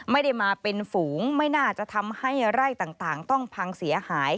ไม่ได้มาเป็นฝูงไม่น่าจะทำให้ไร่ต่างต้องพังเสียหาย